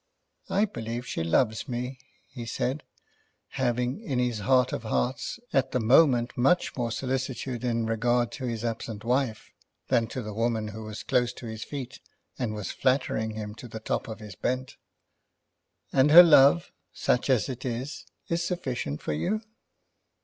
"I believe she loves me," he said, having in his heart of hearts, at the moment, much more solicitude in regard to his absent wife than to the woman who was close to his feet and was flattering him to the top of his bent. "And her love, such as it is, is sufficient for you?"